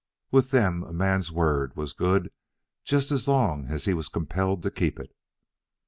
With them, a man's word was good just as long as he was compelled to keep it.